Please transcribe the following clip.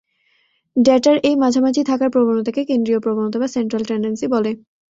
ডেটার এই মাঝামাঝি থাকার প্রবনতাকে কেন্দ্রীয় প্রবনতা বা সেন্ট্রাল ট্যান্ডেন্সি বলে।